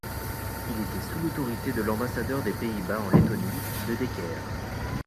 Il était sous l'autorité de l'ambassadeur des Pays-Bas en Lettonie, De Decker.